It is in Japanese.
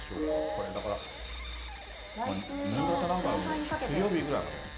これだから、新潟なんかも水曜日ぐらいまで。